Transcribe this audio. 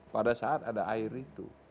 pada saat ada air itu